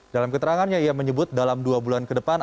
dalam keterangannya ia menyebut dalam dua bulan ke depan